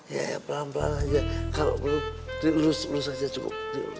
iya pelan pelan aja kalau perlu dilus lus aja cukup